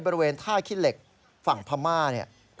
บริเวณท่าขี้เหล็กฝั่งพม่าเนี่ย